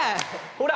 ほら！